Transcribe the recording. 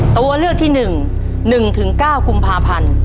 ตัวเลือกที่๑๑๙กุมภาพันธ์